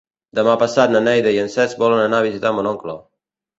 Demà passat na Neida i en Cesc volen anar a visitar mon oncle.